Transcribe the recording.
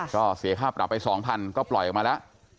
ก็เสียค่าปรับไป๒๐๐๐ก็ปล่อยออกมาแล้ว